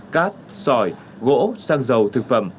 cát sỏi gỗ sang dầu thực phẩm